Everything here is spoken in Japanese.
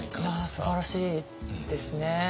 いやすばらしいですね。